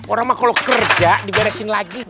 orang mah kalau kerja diberesin lagi